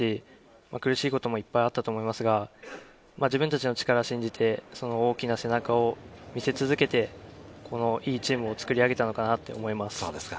苦しいこともいっぱいあったと思いますが、自分たちの力を信じて大きな背中を見せ続けて、いいチームを作り上げたと思います。